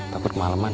takut ke maleman